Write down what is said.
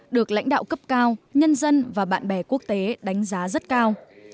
được lãnh đạo cấp cao nhân dân và bạn bè quốc tế đánh giá rất cao